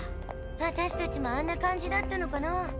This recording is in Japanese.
私たちもあんな感じだったのかな？